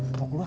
eh mau keluar